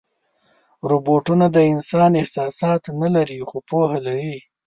روبوټونه د انسان احساسات نه لري، خو پوهه لري.